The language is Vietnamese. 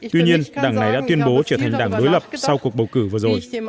tuy nhiên đảng này đã tuyên bố trở thành đảng đối lập sau cuộc bầu cử vừa rồi